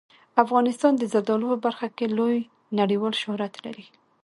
افغانستان د زردالو په برخه کې لوی نړیوال شهرت لري.